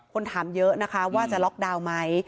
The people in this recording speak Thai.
คนถามเยอะว่าจะล็อกดาวน์มั้ย